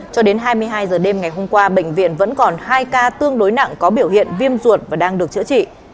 cho đến hai mươi hai h đêm ngày hôm qua bệnh viện vẫn còn hai ca tương đối nặng có biểu hiện viêm ruột và đang được chữa trị